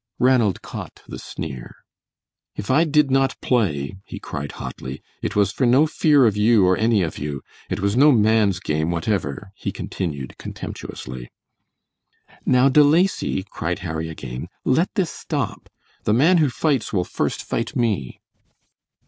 Ranald caught the sneer. "If I did not play," he cried, hotly, "it was for no fear of you or any of you. It was no man's game whatever," he continued, contemptuously. "Now, De Lacy," cried Harry, again, "let this stop. The man who fights will first fight me!"